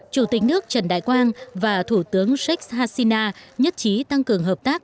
chủ tịch nước trần đại quang và thủ tướng sheikh hasina nhất trí tăng cường hợp tác